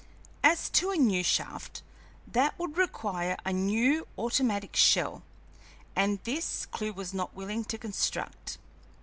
As to a new shaft that would require a new automatic shell, and this Clewe was not willing to construct.